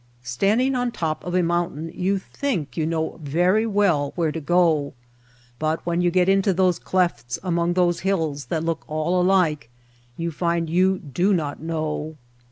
Standing on top of a mountain you think you know very well where to go, but when you get into those clefts among those hills that look all alike you find you do not know.